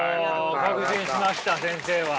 お確信しました先生は。